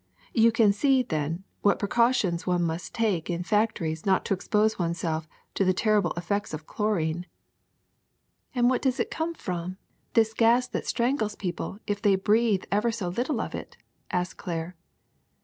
You can see, then, what precautions one must take in factories not to expose oneself to the terrible effects of chlorine." NAPERY 57 *^Aiid what does it come from, this gas that strangles people if they breathe ever so little of itV asked Claire.